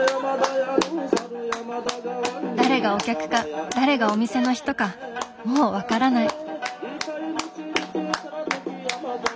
誰がお客か誰がお店の人かもうわからない。